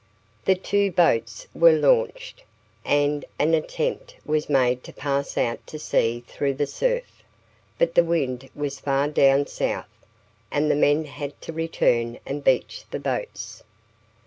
The two boats were launched, and an attempt was made to pass out to sea through the surf, but the wind was far down south, and the men had to return and beach the boats.